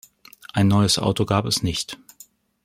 Ein neues Auto gab es nicht.